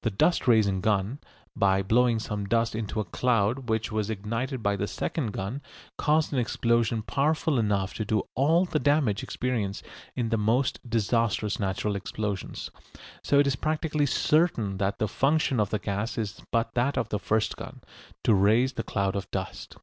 The dust raising gun, by blowing some dust into a cloud which was ignited by the second gun, caused an explosion powerful enough to do all the damage experienced in the most disastrous natural explosions. So it is practically certain that the function of the gas is but that of the first gun, to raise the cloud of dust.